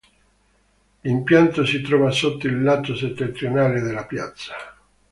L'impianto si trova sotto il lato settentrionale della piazza.